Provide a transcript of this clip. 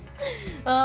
ああ。